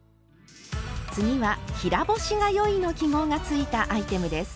次は「平干しがよい」の記号がついたアイテムです。